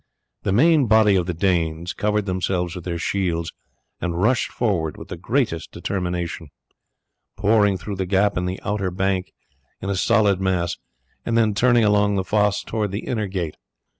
The main body of the Danes covered themselves with their shields and rushed forward with the greatest determination, pouring through the gap in the outer bank in a solid mass, and then turned along the fosse towards the inner gate.